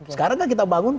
sekarang kan kita bangun